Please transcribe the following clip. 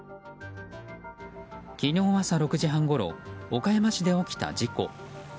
昨日朝６時半ごろ岡山市で起きた事故。